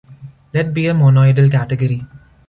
Let be a monoidal category.